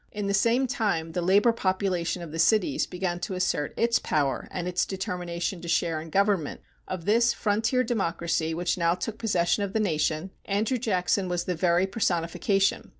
In the same time the labor population of the cities began to assert its power and its determination to share in government. Of this frontier democracy which now took possession of the nation, Andrew Jackson was the very personification.